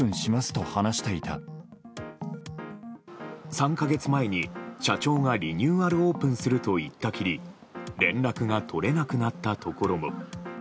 ３か月前に、社長がリニューアルオープンすると言ったきり連絡が取れなくなったところも。